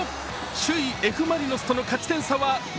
首位・Ｆ・マリノスとの勝ち点差は２。